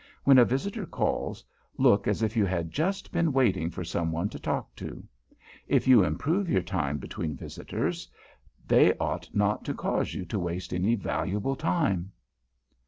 When a visitor calls, look as if you had just been waiting for some one to talk to. If you improve your time between visitors, they ought not to cause you to waste any valuable time.